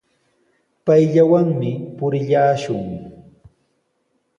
Payllawanmi purillashun.